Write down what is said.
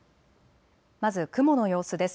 まず雲の様子です。